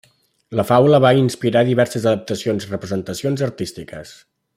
La faula va inspirar diverses adaptacions i representacions artístiques.